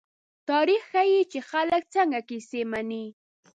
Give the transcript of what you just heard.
تاریخ ښيي، چې خلک څنګه کیسې مني.